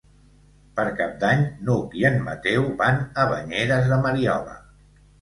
Per Cap d'Any n'Hug i en Mateu van a Banyeres de Mariola.